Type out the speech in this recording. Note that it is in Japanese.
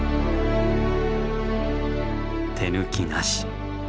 手抜きなし。